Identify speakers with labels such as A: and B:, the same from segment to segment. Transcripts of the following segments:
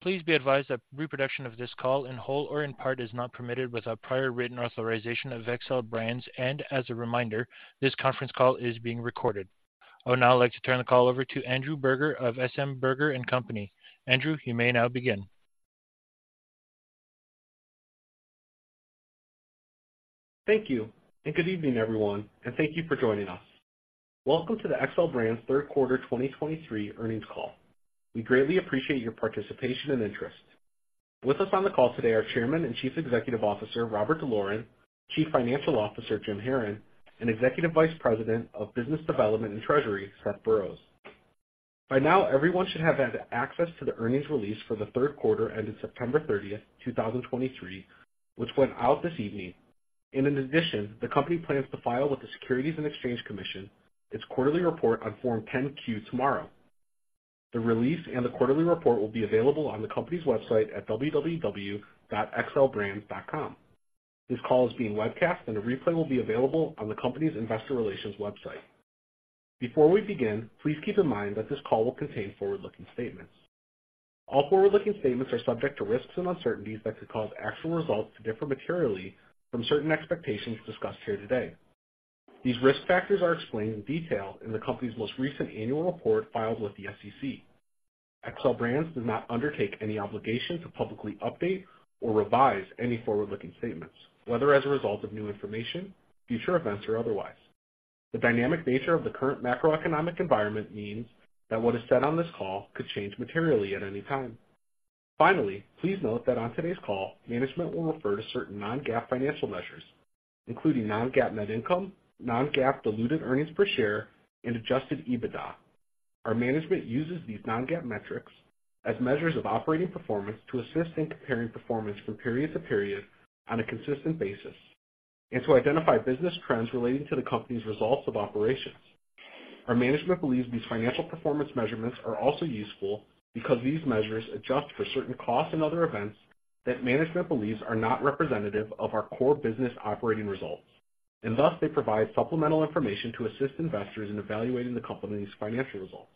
A: Please be advised that reproduction of this call, in whole or in part, is not permitted without prior written authorization of Xcel Brands. As a reminder, this conference call is being recorded. I would now like to turn the call over to Andrew Berger of SM Berger & Company. Andrew, you may now begin.
B: Thank you, and good evening, everyone, and thank you for joining us. Welcome to the Xcel Brands third quarter 2023 earnings call. We greatly appreciate your participation and interest. With us on the call today are Chairman and Chief Executive Officer, Robert D'Loren, Chief Financial Officer, James Haran, and Executive Vice President of Business Development and Treasury, Seth Burroughs. By now, everyone should have had access to the earnings release for the third quarter, ending September 30, 2023, which went out this evening. And in addition, the company plans to file with the Securities and Exchange Commission, its quarterly report on Form 10-Q tomorrow. The release and the quarterly report will be available on the company's website at www.xcelbrands.com. This call is being webcast, and a replay will be available on the company's investor relations website. Before we begin, please keep in mind that this call will contain forward-looking statements. All forward-looking statements are subject to risks and uncertainties that could cause actual results to differ materially from certain expectations discussed here today. These risk factors are explained in detail in the company's most recent annual report filed with the SEC. Xcel Brands does not undertake any obligation to publicly update or revise any forward-looking statements, whether as a result of new information, future events, or otherwise. The dynamic nature of the current macroeconomic environment means that what is said on this call could change materially at any time. Finally, please note that on today's call, management will refer to certain Non-GAAP financial measures, including Non-GAAP net income, Non-GAAP diluted earnings per share, and Adjusted EBITDA. Our management uses these non-GAAP metrics as measures of operating performance to assist in comparing performance from period to period on a consistent basis and to identify business trends relating to the company's results of operations. Our management believes these financial performance measurements are also useful because these measures adjust for certain costs and other events that management believes are not representative of our core business operating results, and thus they provide supplemental information to assist investors in evaluating the company's financial results.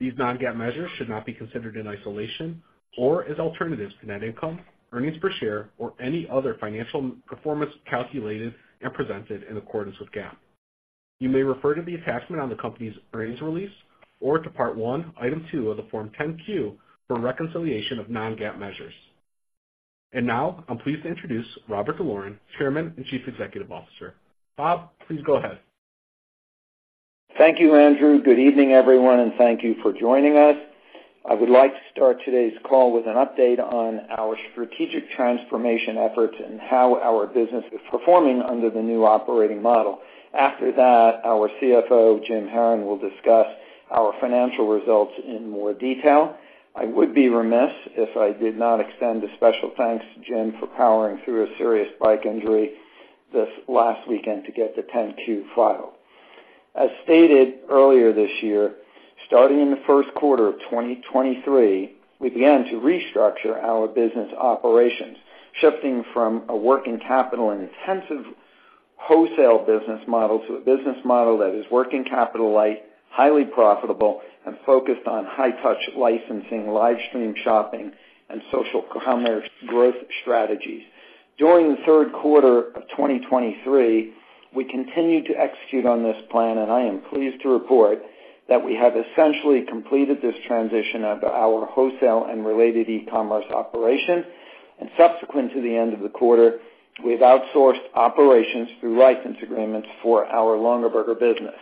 B: These non-GAAP measures should not be considered in isolation or as alternatives to net income, earnings per share, or any other financial performance calculated and presented in accordance with GAAP. You may refer to the attachment on the company's earnings release or to Part One, Item Two of the Form 10-Q for a reconciliation of non-GAAP measures. And now, I'm pleased to introduce Robert D'Loren, Chairman and Chief Executive Officer. Bob, please go ahead.
C: Thank you, Andrew. Good evening, everyone, and thank you for joining us. I would like to start today's call with an update on our strategic transformation efforts and how our business is performing under the new operating model. After that, our CFO, Jim Haran, will discuss our financial results in more detail. I would be remiss if I did not extend a special thanks to Jim for powering through a serious bike injury this last weekend to get the 10-Q filed. As stated earlier this year, starting in the first quarter of 2023, we began to restructure our business operations, shifting from a working capitalintensive wholesale business model to a business model that is working capital light, highly profitable, and focused on high-touch licensing, live stream shopping, and social commerce growth strategies. During the third quarter of 2023, we continued to execute on this plan, and I am pleased to report that we have essentially completed this transition of our wholesale and related e-commerce operations, and subsequent to the end of the quarter, we've outsourced operations through license agreements for our Longaberger business.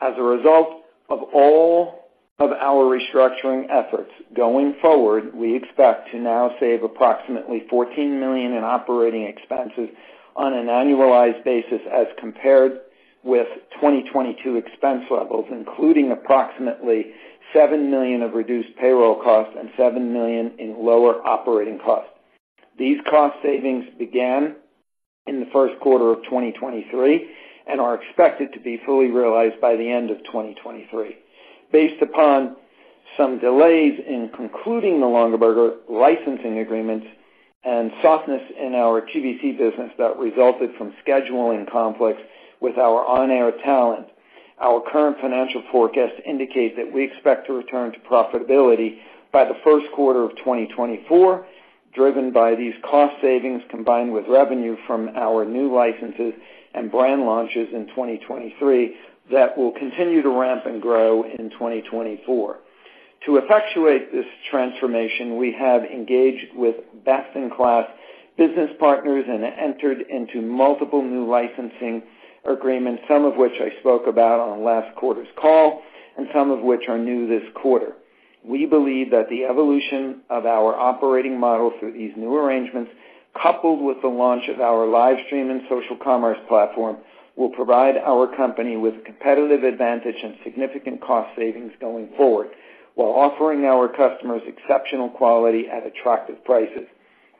C: As a result of all of our restructuring efforts, going forward, we expect to now save approximately $14 million in operating expenses on an annualized basis as compared with 2022 expense levels, including approximately $7 million of reduced payroll costs and $7 million in lower operating costs. These cost savings began in the first quarter of 2023 and are expected to be fully realized by the end of 2023. Based upon some delays in concluding the Longaberger licensing agreements and softness in our QVC business that resulted from scheduling conflicts with our on-air talent, our current financial forecast indicates that we expect to return to profitability by the first quarter of 2024, driven by these cost savings, combined with revenue from our new licenses and brand launches in 2023, that will continue to ramp and grow in 2024. To effectuate this transformation, we have engaged with best-in-class business partners and entered into multiple new licensing agreements, some of which I spoke about on last quarter's call and some of which are new this quarter. We believe that the evolution of our operating model through these new arrangements, coupled with the launch of our live stream and social commerce platform, will provide our company with competitive advantage and significant cost savings going forward, while offering our customers exceptional quality at attractive prices.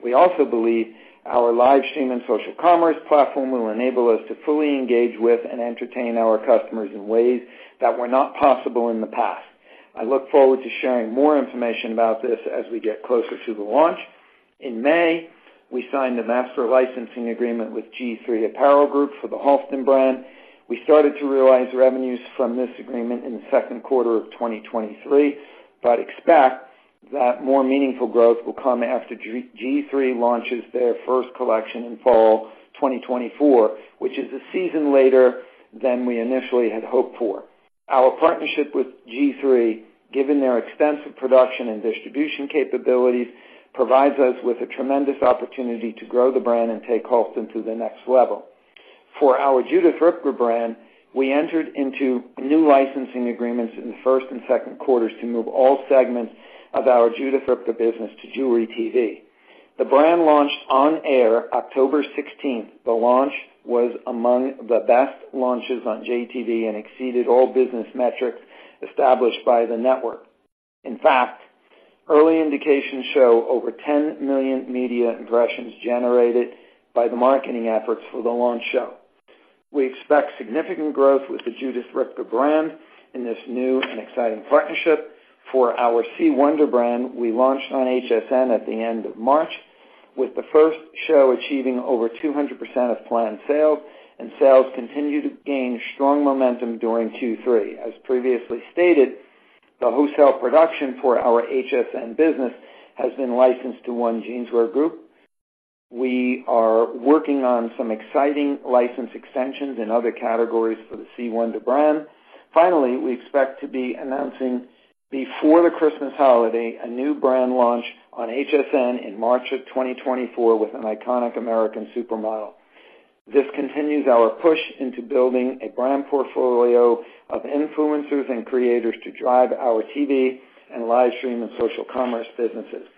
C: We also believe our live stream and social commerce platform will enable us to fully engage with and entertain our customers in ways that were not possible in the past. I look forward to sharing more information about this as we get closer to the launch. In May, we signed a master licensing agreement with G-III Apparel Group for the Halston brand. We started to realize revenues from this agreement in the second quarter of 2023, but expect that more meaningful growth will come after G-III launches their first collection in fall 2024, which is a season later than we initially had hoped for. Our partnership with G-III, given their extensive production and distribution capabilities, provides us with a tremendous opportunity to grow the brand and take Halston to the next level. For our Judith Ripka brand, we entered into new licensing agreements in the first and second quarters to move all segments of our Judith Ripka business to Jewelry Television. The brand launched on air October 16. The launch was among the best launches on JTV and exceeded all business metrics established by the network. In fact, early indications show over 10 million media impressions generated by the marketing efforts for the launch show. We expect significant growth with the Judith Ripka brand in this new and exciting partnership. For our C. Wonder brand, we launched on HSN at the end of March, with the first show achieving over 200% of planned sales, and sales continued to gain strong momentum during Q3. As previously stated, the wholesale production for our HSN business has been licensed to One Jeanswear Group. We are working on some exciting license extensions in other categories for the C. Wonder brand. Finally, we expect to be announcing, before the Christmas holiday, a new brand launch on HSN in March of 2024 with an iconic American supermodel. This continues our push into building a brand portfolio of influencers and creators to drive our TV and live stream and social commerce businesses.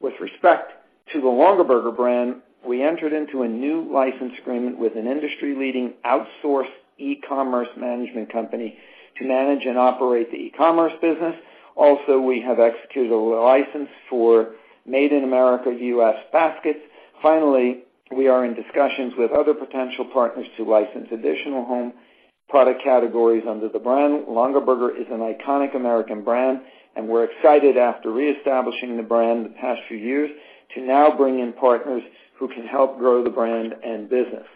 C: With respect to the Longaberger brand, we entered into a new license agreement with an industry-leading outsourced e-commerce management company to manage and operate the e-commerce business. Also, we have executed a license for Made in America US baskets. Finally, we are in discussions with other potential partners to license additional home product categories under the brand. Longaberger is an iconic American brand, and we're excited, after reestablishing the brand in the past few years, to now bring in partners who can help grow the brand and business.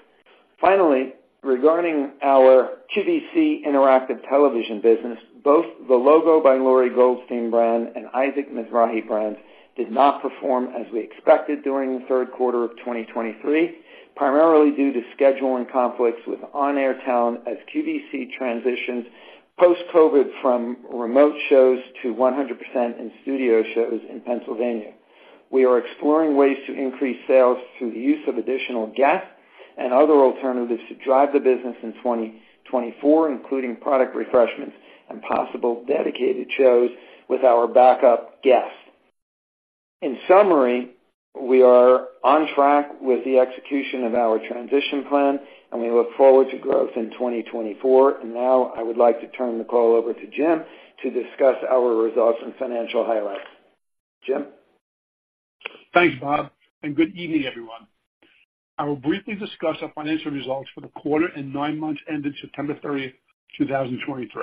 C: Finally, regarding our QVC interactive television business, both the LOGO by Lori Goldstein brand and Isaac Mizrahi brand did not perform as we expected during the third quarter of 2023, primarily due to scheduling conflicts with on-air talent as QVC transitions post-COVID from remote shows to 100% in-studio shows in Pennsylvania. We are exploring ways to increase sales through the use of additional guests and other alternatives to drive the business in 2024, including product refreshments and possible dedicated shows with our backup guests. In summary, we are on track with the execution of our transition plan, and we look forward to growth in 2024. Now, I would like to turn the call over to Jim to discuss our results and financial highlights. Jim?
D: Thanks, Bob, and good evening, everyone. I will briefly discuss our financial results for the quarter and 9 months ended September 30, 2023.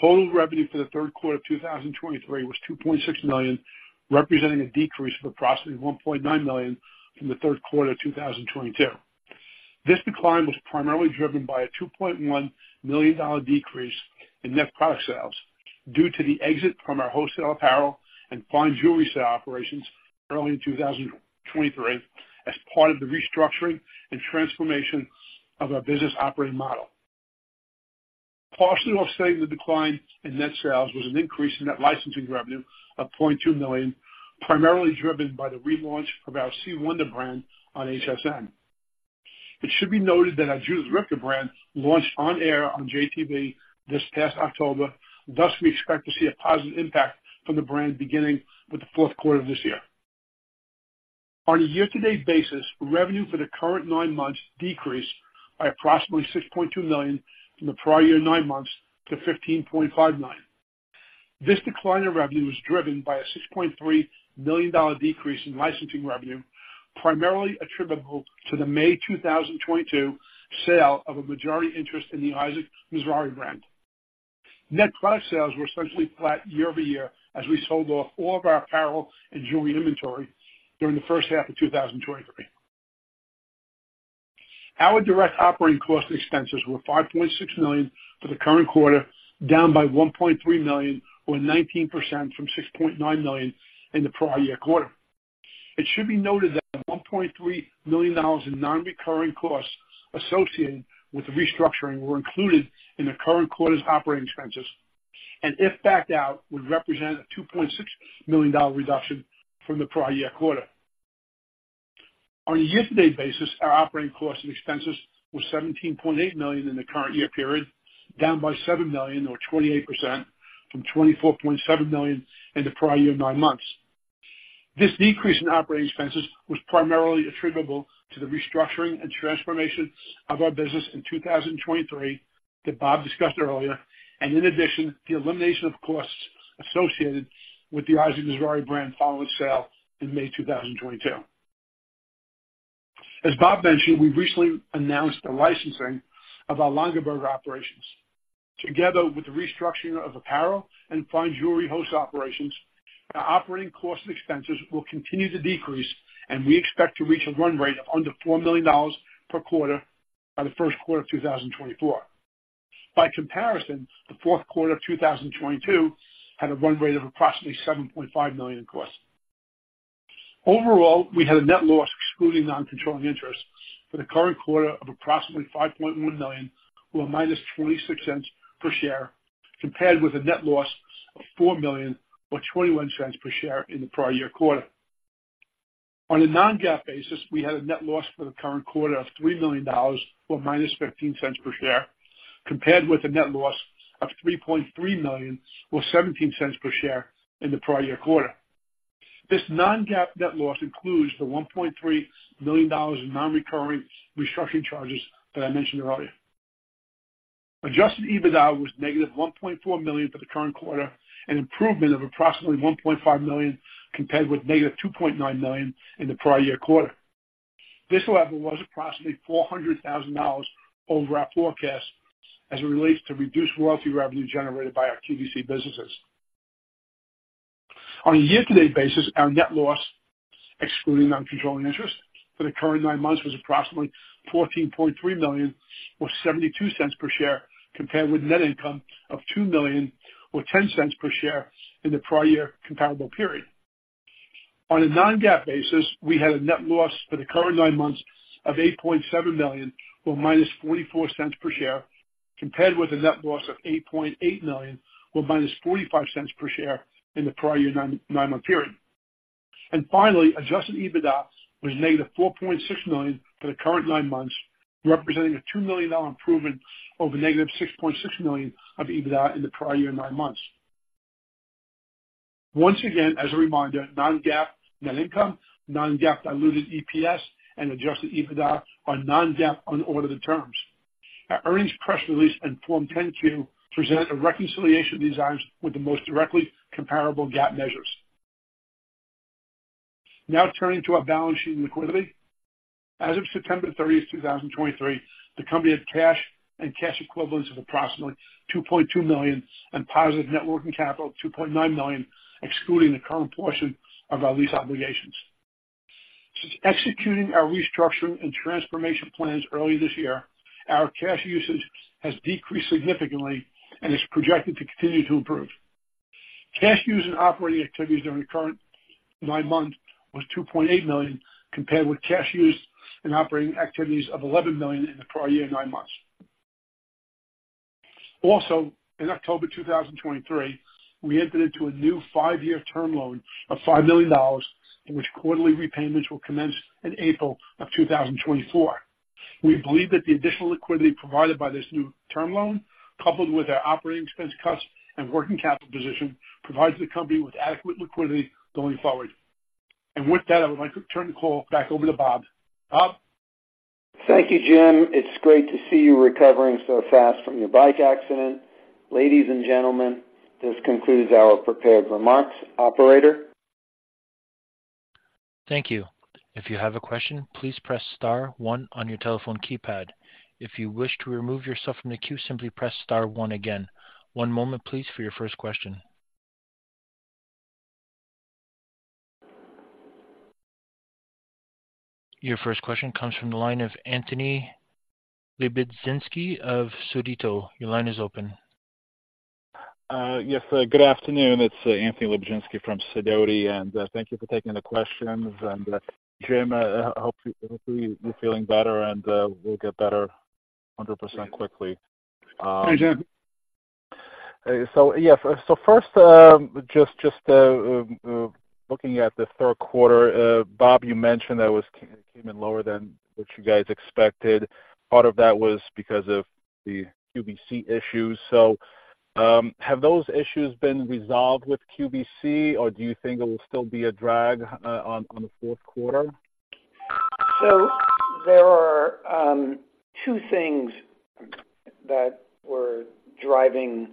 D: Total revenue for the third quarter of 2023 was $2.6 million, representing a decrease of approximately $1.9 million from the third quarter of 2022. This decline was primarily driven by a $2.1 million decrease in net product sales due to the exit from our wholesale apparel and fine jewelry sale operations early in 2023 as part of the restructuring and transformation of our business operating model. Partially offsetting the decline in net sales was an increase in net licensing revenue of $0.2 million, primarily driven by the relaunch of our C. Wonder brand on HSN. It should be noted that our Judith Ripka brand launched on air on JTV this past October, thus we expect to see a positive impact from the brand beginning with the fourth quarter of this year. On a year-to-date basis, revenue for the current nine months decreased by approximately $6.2 million from the prior year nine months to $15.59 million. This decline in revenue was driven by a $6.3 million decrease in licensing revenue, primarily attributable to the May 2022 sale of a majority interest in the Isaac Mizrahi brand. Net product sales were essentially flat year over year as we sold off all of our apparel and jewelry inventory during the first half of 2023. Our direct operating cost expenses were $5.6 million for the current quarter, down by $1.3 million, or 19%, from $6.9 million in the prior year quarter. It should be noted that $1.3 million in non-recurring costs associated with the restructuring were included in the current quarter's operating expenses, and if backed out, would represent a $2.6 million reduction from the prior year quarter. On a year-to-date basis, our operating costs and expenses were $17.8 million in the current year period, down by $7 million or 28% from $24.7 million in the prior year nine months. This decrease in operating expenses was primarily attributable to the restructuring and transformation of our business in 2023 that Bob discussed earlier, and in addition, the elimination of costs associated with the Isaac Mizrahi brand following sale in May 2022. As Bob mentioned, we recently announced the licensing of our Longaberger operations. Together with the restructuring of apparel and fine jewelry uncertain, our operating costs and expenses will continue to decrease, and we expect to reach a run rate of under $4 million per quarter by the first quarter of 2024. By comparison, the fourth quarter of 2022 had a run rate of approximately $7.5 million in costs. Overall, we had a net loss, excluding non-controlling interest, for the current quarter of approximately $5.1 million, or -26 cents per share, compared with a net loss of $4 million, or 21 cents per share in the prior year quarter. On a non-GAAP basis, we had a net loss for the current quarter of $3 million, or -15 cents per share, compared with a net loss of $3.3 million, or 17 cents per share in the prior year quarter. This non-GAAP net loss includes the $1.3 million in non-recurring restructuring charges that I mentioned earlier. Adjusted EBITDA was -1.4 million for the current quarter, an improvement of approximately 1.5 million, compared with -2.9 million in the prior year quarter. This level was approximately $400,000 over our forecast as it relates to reduced royalty revenue generated by our QVC businesses. On a year-to-date basis, our net loss, excluding non-controlling interest, for the current nine months was approximately $14.3 million, or $0.72 per share, compared with net income of $2 million, or $0.10 per share in the prior year comparable period. On a non-GAAP basis, we had a net loss for the current nine months of $8.7 million, or -$0.44 per share, compared with a net loss of $8.8 million, or -$0.45 per share in the prior year nine, nine-month period. And finally, adjusted EBITDA was negative $4.6 million for the current nine months, representing a $2 million improvement over negative $6.6 million of EBITDA in the prior year nine months. Once again, as a reminder, non-GAAP net income, non-GAAP diluted EPS, and Adjusted EBITDA are non-GAAP unaudited terms. Our earnings press release and Form 10-K present a reconciliation of these items with the most directly comparable GAAP measures. Now turning to our balance sheet and liquidity. As of September 30, 2023, the company had cash and cash equivalents of approximately $2.2 million and positive net working capital of $2.9 million, excluding the current portion of our lease obligations. Since executing our restructuring and transformation plans early this year, our cash usage has decreased significantly and is projected to continue to improve. Cash use in operating activities during the current nine months was $2.8 million, compared with cash use in operating activities of $11 million in the prior year nine months. Also, in October 2023, we entered into a new five-year term loan of $5 million, in which quarterly repayments will commence in April 2024. We believe that the additional liquidity provided by this new term loan, coupled with our operating expense cuts and working capital position, provides the company with adequate liquidity going forward. And with that, I would like to turn the call back over to Bob. Bob?
C: Thank you, Jim. It's great to see you recovering so fast from your bike accident. Ladies and gentlemen, this concludes our prepared remarks. Operator?
A: Thank you. If you have a question, please press star one on your telephone keypad. If you wish to remove yourself from the queue, simply press star one again. One moment please, for your first question. Your first question comes from the line of Anthony Lebiedzinski of Sidoti. Your line is open.
E: Yes, good afternoon. It's Anthony Lebiedzinski from Sidoti, and thank you for taking the questions. Jim, I hope you're feeling better and will get 100% quickly.
C: Hi, Jim.
F: So yes. So first, looking at the third quarter, Bob, you mentioned that it came in lower than what you guys expected. Part of that was because of the QVC issues. So, have those issues been resolved with QVC, or do you think it will still be a drag on the fourth quarter?
C: So there are two things that were driving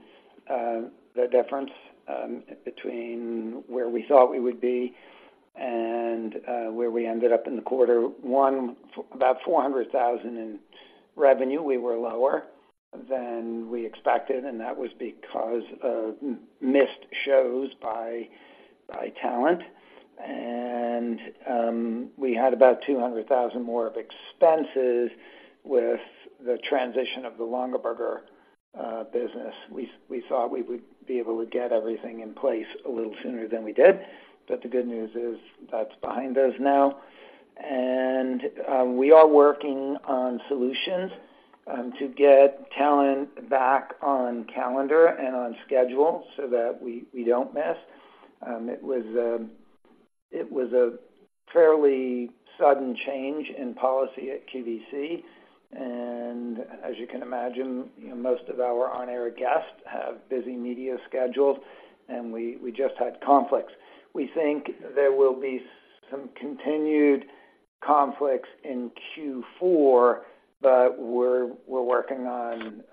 C: the difference between where we thought we would be and where we ended up in the quarter. One, about $400,000 in revenue, we were lower than we expected, and that was because of missed shows by talent. And we had about $200,000 more of expenses with the transition of the Longaberger business. We thought we would be able to get everything in place a little sooner than we did. But the good news is that's behind us now. And we are working on solutions to get talent back on calendar and on schedule so that we don't miss. It was a fairly sudden change in policy at QVC, and as you can imagine, you know, most of our on-air guests have busy media schedules, and we just had conflicts. We think there will be some continued conflicts in Q4... but we're working on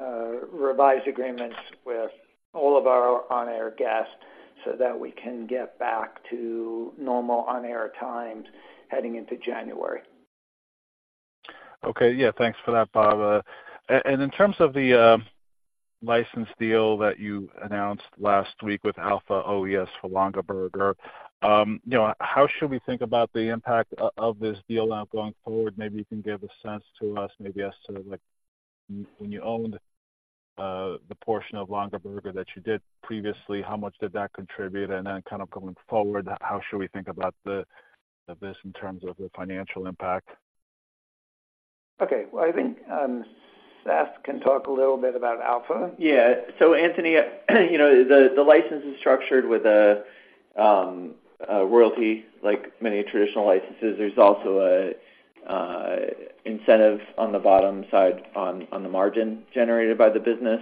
C: revised agreements with all of our on-air guests so that we can get back to normal on-air times heading into January.
F: Okay. Yeah, thanks for that, Bob. And in terms of the license deal that you announced last week with Alpha OES for Longaberger, you know, how should we think about the impact of this deal now going forward? Maybe you can give a sense to us, maybe as to, like, when you owned the portion of Longaberger that you did previously, how much did that contribute? And then kind of going forward, how should we think about this in terms of the financial impact?
C: Okay. Well, I think, Seth can talk a little bit about Alpha.
E: Yeah. So Anthony, you know, the license is structured with a royalty, like many traditional licenses. There's also a incentive on the bottom side on, on the margin generated by the business.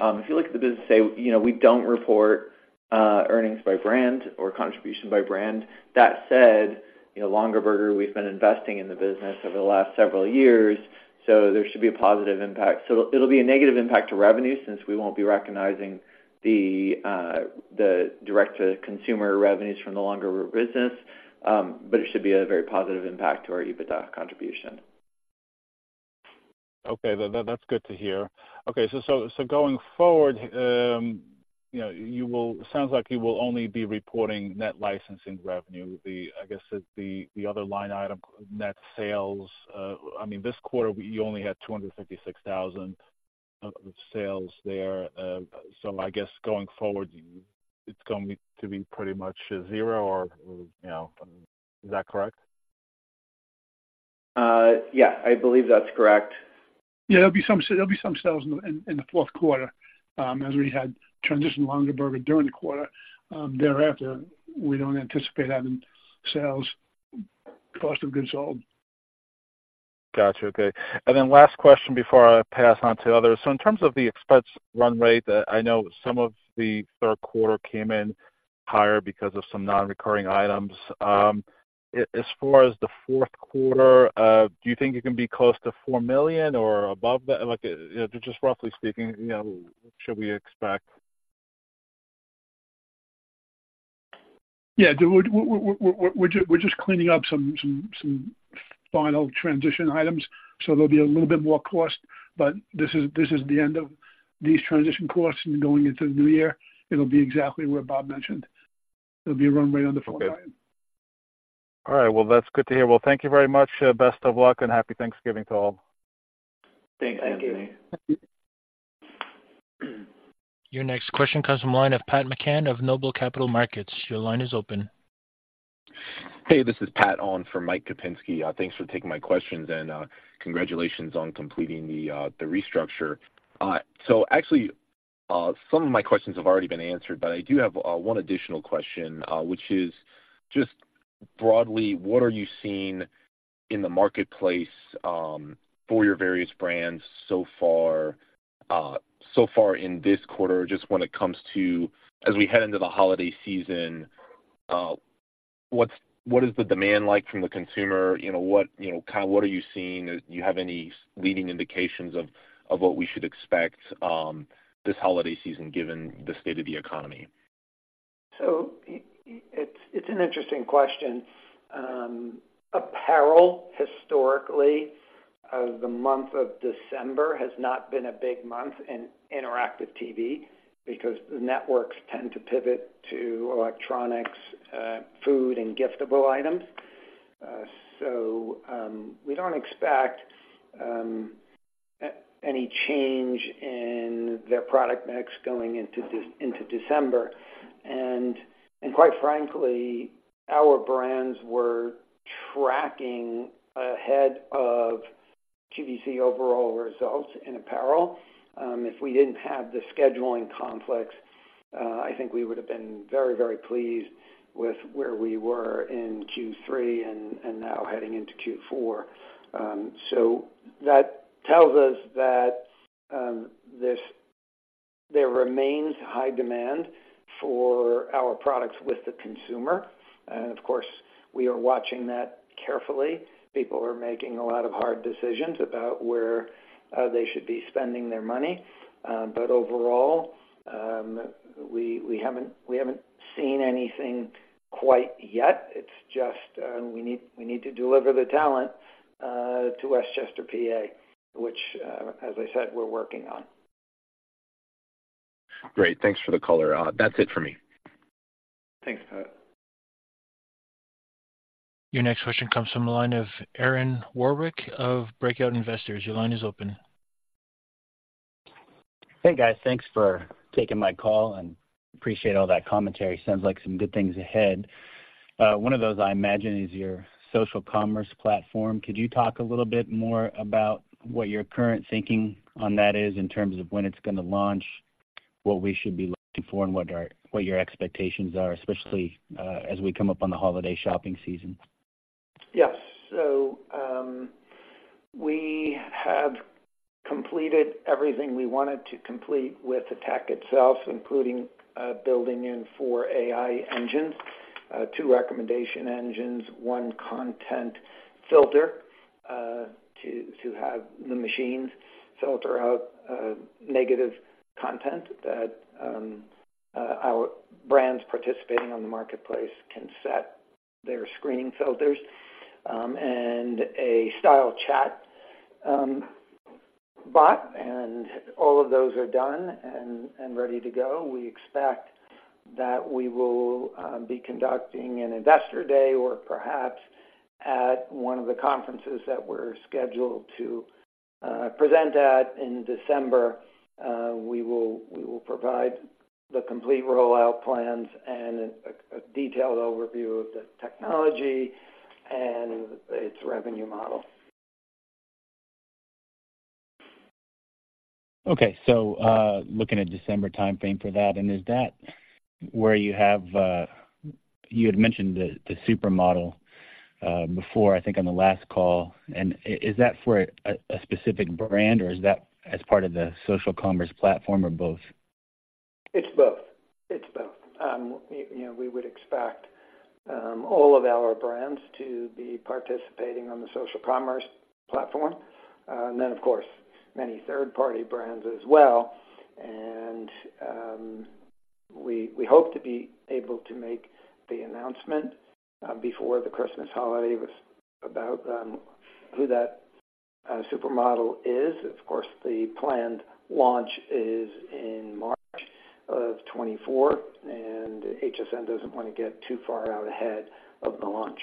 E: If you look at the business, say, you know, we don't report earnings by brand or contribution by brand. That said, you know, Longaberger, we've been investing in the business over the last several years, so there should be a positive impact. So it'll be a negative impact to revenue, since we won't be recognizing the direct-to-consumer revenues from the Longaberger business. But it should be a very positive impact to our EBITDA contribution.
F: Okay, that's good to hear. Okay, so going forward, you know, you will—sounds like you will only be reporting net licensing revenue. The, I guess, the other line item, net sales, I mean, this quarter you only had $256,000 of sales there. So I guess going forward, it's going to be pretty much zero or, you know... Is that correct?
E: Yeah, I believe that's correct.
D: Yeah, there'll be some sales in the fourth quarter, as we had transitioned Longaberger during the quarter. Thereafter, we don't anticipate having sales cost of goods sold.
F: Got you. Okay. And then last question before I pass on to others. So in terms of the expense run rate, I know some of the third quarter came in higher because of some non-recurring items. As far as the fourth quarter, do you think it can be close to $4 million or above that? Like, just roughly speaking, you know, should we expect?
D: Yeah, we're just cleaning up some final transition items, so there'll be a little bit more cost. But this is the end of these transition costs, and going into the new year, it'll be exactly what Bob mentioned. It'll be a run rate on the four million.
F: Okay. All right. Well, that's good to hear. Well, thank you very much. Best of luck and happy Thanksgiving to all.
E: Thanks, Anthony.
D: Thank you.
A: Your next question comes from line of Pat McCann, of Noble Capital Markets. Your line is open.
G: Hey, this is Pat on for Mike Kupinski. Thanks for taking my questions, and congratulations on completing the restructure. So actually, some of my questions have already been answered, but I do have one additional question, which is just broadly, what are you seeing in the marketplace for your various brands so far, so far in this quarter? Just when it comes to—as we head into the holiday season, what's, what is the demand like from the consumer? You know, what—you know, kind of what are you seeing? Do you have any leading indications of what we should expect this holiday season, given the state of the economy?
C: So it's an interesting question. Apparel, historically, the month of December has not been a big month in interactive TV because the networks tend to pivot to electronics, food, and giftable items. So we don't expect any change in their product mix going into December. And quite frankly, our brands were tracking ahead of QVC overall results in apparel. If we didn't have the scheduling conflicts, I think we would have been very, very pleased with where we were in Q3 and now heading into Q4. So that tells us that there remains high demand for our products with the consumer. And of course, we are watching that carefully. People are making a lot of hard decisions about where they should be spending their money. But overall, we haven't seen anything quite yet. It's just, we need to deliver the talent to West Chester, PA, which, as I said, we're working on.
G: Great. Thanks for the color. That's it for me.
C: Thanks, Pat.
A: Your next question comes from the line of Aaron Warwick of Breakout Investors. Your line is open.
H: Hey, guys. Thanks for taking my call, and appreciate all that commentary. Sounds like some good things ahead. One of those, I imagine, is your social commerce platform. Could you talk a little bit more about what your current thinking on that is, in terms of when it's going to launch, what we should be looking for, and what your expectations are, especially, as we come up on the holiday shopping season?
C: Yes. So, we have completed everything we wanted to complete with the tech itself, including building in four AI engines, two recommendation engines, one content filter to have the machines filter out negative content that our brands participating on the marketplace can set their screening filters, and a style chat bot, and all of those are done and ready to go. We expect that we will be conducting an investor day or perhaps at one of the conferences that we're scheduled to present at in December. We will provide the complete rollout plans and a detailed overview of the technology and its revenue model.
H: Okay. So, looking at December timeframe for that, and is that where you have... You had mentioned the, the supermodel, before, I think on the last call, and is that for a, a specific brand, or is that as part of the social commerce platform or both?
C: It's both. It's both. You know, we would expect all of our brands to be participating on the social commerce platform, and then, of course, many third-party brands as well. And, we hope to be able to make the announcement before the Christmas holiday with about who that supermodel is. Of course, the planned launch is in March of 2024, and HSN doesn't want to get too far out ahead of the launch.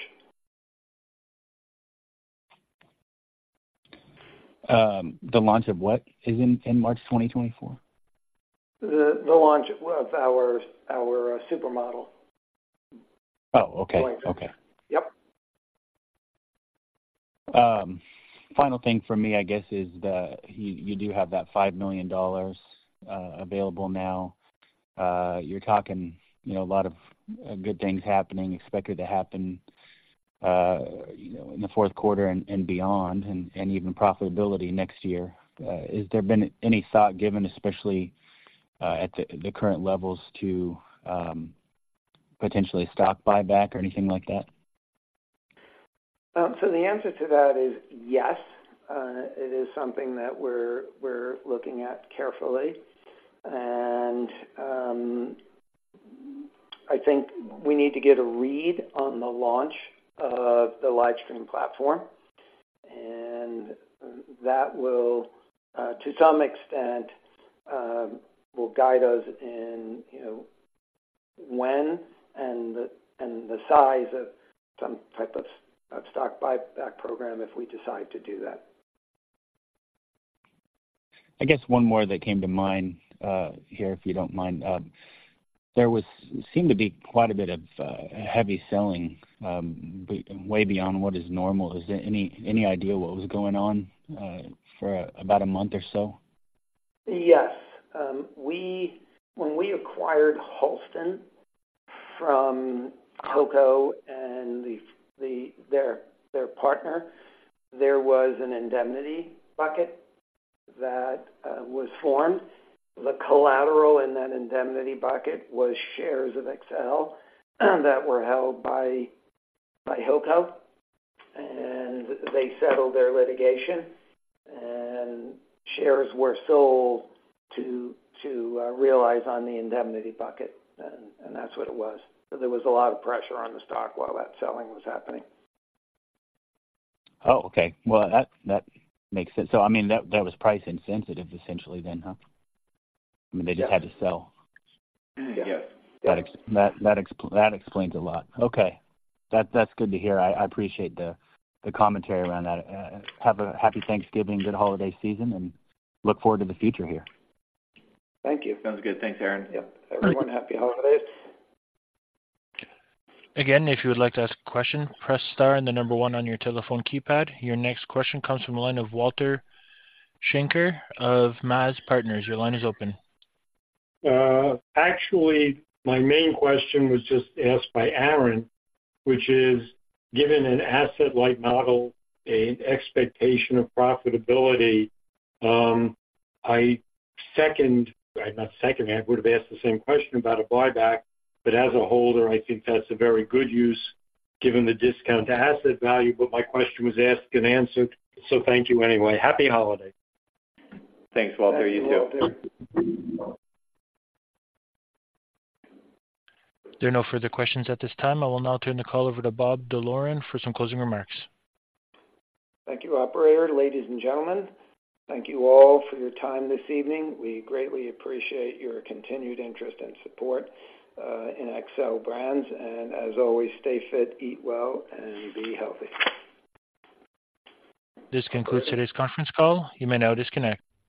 H: The launch of what is in March 2024?
C: The launch of our supermodel.
H: Oh, okay.
C: Okay.
H: Okay.
C: Yep.
H: Final thing for me, I guess, is the, you, you do have that $5 million available now. You're talking, you know, a lot of good things happening, expected to happen, you know, in the fourth quarter and, and beyond, and, and even profitability next year. Has there been any thought given, especially, at the, the current levels, to, potentially stock buyback or anything like that?
C: So the answer to that is yes. It is something that we're looking at carefully, and I think we need to get a read on the launch of the live stream platform, and that will, to some extent, guide us in, you know, when and the size of some type of stock buyback program if we decide to do that.
H: I guess one more that came to mind, here, if you don't mind. There seemed to be quite a bit of heavy selling way beyond what is normal. Is there any, any idea what was going on for about a month or so?
C: Yes. When we acquired Halston from Hilco and their partner, there was an indemnity bucket that was formed. The collateral in that indemnity bucket was shares of Xcel that were held by Hilco, and they settled their litigation, and shares were sold to realize on the indemnity bucket, and that's what it was. So there was a lot of pressure on the stock while that selling was happening.
H: Oh, okay. Well, that, that makes sense. So I mean, that, that was price insensitive essentially then, huh? I mean, they just had to sell.
C: Yes.
H: That explains a lot. Okay. That's good to hear. I appreciate the commentary around that. Have a happy Thanksgiving, good holiday season, and look forward to the future here.
C: Thank you.
E: Sounds good. Thanks, Aaron. Yep. Everyone, happy holidays.
A: Again, if you would like to ask a question, press star and the number one on your telephone keypad. Your next question comes from the line of Walter Schenker of MAZ Partners. Your line is open.
I: Actually, my main question was just asked by Aaron, which is, given an asset-light model and expectation of profitability, I second, I'm not seconding, I would have asked the same question about a buyback, but as a holder, I think that's a very good use given the discount to asset value. But my question was asked and answered, so thank you anyway. Happy holidays!
C: Thanks, Walter. You too.
E: Thanks, Walter.
A: There are no further questions at this time. I will now turn the call over to Robert D'Loren for some closing remarks.
C: Thank you, operator. Ladies and gentlemen, thank you all for your time this evening. We greatly appreciate your continued interest and support in Xcel Brands, and as always, stay fit, eat well, and be healthy.
A: This concludes today's conference call. You may now disconnect.